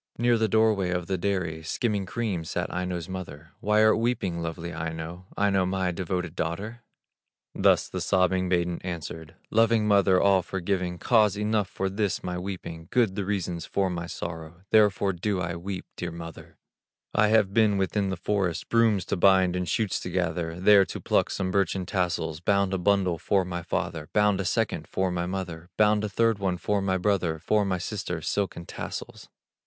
Near the door way of the dairy, Skimming cream, sat Aino's mother. "Why art weeping, lovely Aino, Aino, my devoted daughter?" Thus the sobbing maiden answered: "Loving mother, all forgiving, Cause enough for this my weeping, Good the reasons for my sorrow, Therefore do I weep, dear mother: I have been within the forest, Brooms to bind and shoots to gather, There to pluck some birchen tassels; Bound a bundle for my father, Bound a second for my mother, Bound a third one for my brother, For my sister silken tassels.